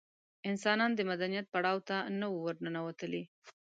انسانان د مدنیت پړاو ته نه وو ورننوتلي.